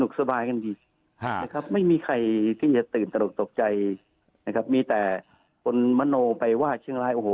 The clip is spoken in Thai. ครับไม่มีใครที่จะตื่นตลกใจนะครับมีแต่แค่คนมาโนไปว่าเชียงร้ายโอ้โห